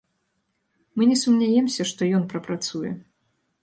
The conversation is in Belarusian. Мы не сумняемся, што ён прапрацуе.